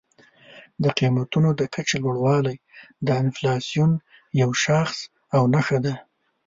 د قیمتونو د کچې لوړوالی د انفلاسیون یو شاخص او نښه ده.